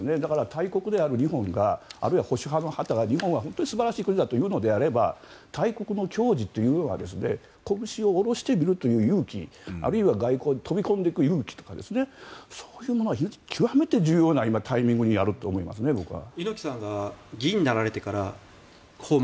大国である日本があるいは保守派の方が日本は素晴らしい国だと言うのであれば大国の矜持というのはこぶしを下ろしてみるという勇気あるいは外交に飛び込んでいく勇気そういうものは極めて重要なタイミングに今あると思いますね、僕は。